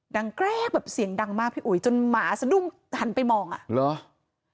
แกรกแบบเสียงดังมากพี่อุ๋ยจนหมาสะดุ้งหันไปมองอ่ะเหรอ